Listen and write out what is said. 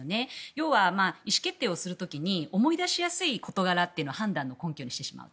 要は意思決定をする時に思い出しやすい事柄っていうのを判断の根拠にしてしまう。